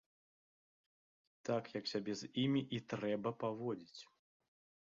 Так, як сябе з імі і трэба паводзіць.